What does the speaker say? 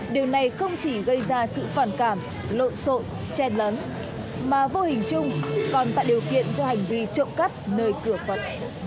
điều này không chỉ gây ra sự phản cảm lộn rộn trên lấn mà vô hình chung còn tạo điều kiện cho hành vi trộm cắt nơi cửa phật